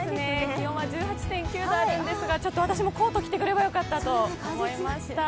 気温は１８．９度あるんですがちょっと私もコート着てくればよかったと思いました。